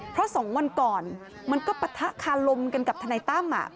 เพราะ๒วันก่อนมันก็ปะทะคารมกันกับทนายตั้ม